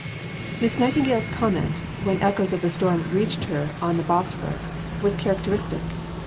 II Miss Nightingale's comment, when echoes of the storm reached her on the Bosphorus, was characteristic.